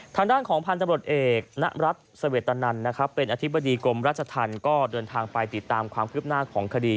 ทางด้านของพันธบรวจเอกณรัฐเสวตนันนะครับเป็นอธิบดีกรมราชธรรมก็เดินทางไปติดตามความคืบหน้าของคดี